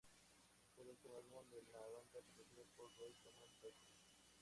Fue el último álbum de la banda producido por Roy Thomas Baker.